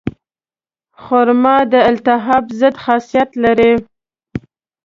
خرما د التهاب ضد خاصیت لري.